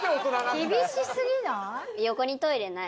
厳しすぎない？